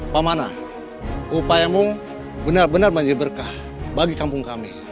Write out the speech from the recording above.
pamana upayamu benar benar menjadi berkah bagi kampung kami